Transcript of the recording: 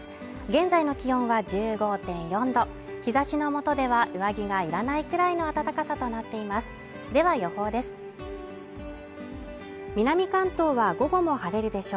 現在の気温は１５．４度日ざしの下では上着がいらないくらいの暖かさとなっていますでは予報です